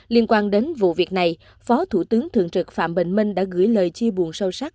liên quan đến vụ việc này phó thủ tướng thường trực phạm bình minh đã gửi lời chia buồn sâu sắc